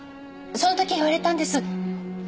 そのとき言われたんです。